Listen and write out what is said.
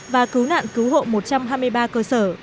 và cứu nạn cứu hộ một trăm hai mươi ba cơ sở